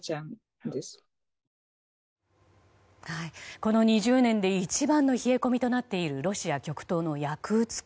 この２０年で一番の冷え込みとなっているロシア極東のヤクーツク。